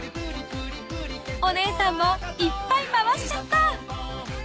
［お姉さんもいっぱい回しちゃった］